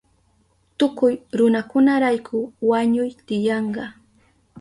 Tukuy runakunarayku wañuy tiyanka.